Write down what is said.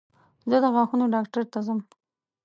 زه د غاښونو ډاکټر ته ځم.